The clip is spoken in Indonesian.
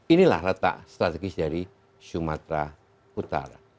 inilah retak strategis dari sumatera utara